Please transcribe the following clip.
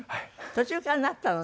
途中からなったのね。